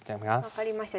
分かりました。